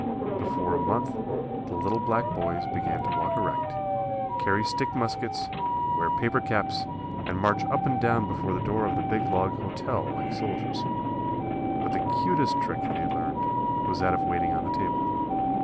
Before a month the little black boys began to walk erect, carry stick muskets, wear paper caps, and march up and down before the door of the big log "hotel" like soldiers. But the cutest trick they learned was that of waiting on the table.